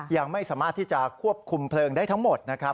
ยังไม่สามารถที่จะควบคุมเพลิงได้ทั้งหมดนะครับ